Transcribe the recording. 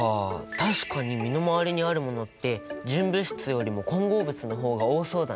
確かに身の回りにあるものって純物質よりも混合物の方が多そうだね。